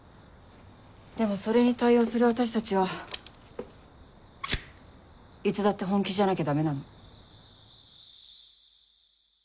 でもそれに対応する私たちはいつだって本気じゃなきゃダメなの。